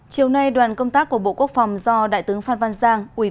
chiều nay đoàn công tác của bộ quốc phòng do đại tướng phan văn giang